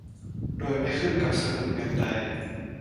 โดยไม่ขึ้นกับสกุลเงินใด